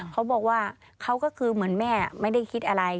เขาบอกว่าเขาก็คือเหมือนแม่ไม่ได้คิดอะไร